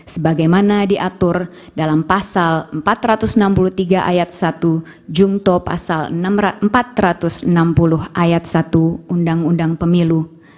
sebagaimana diatur dalam pasal empat ratus enam puluh tiga ayat satu jungto pasal empat ratus enam puluh ayat satu undang undang pemilu